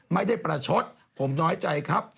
ไม่ได้ประชดผมน้อยใจครับ